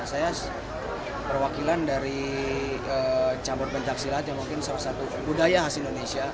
saya perwakilan dari campur pencaksilat yang mungkin salah satu budaya khas indonesia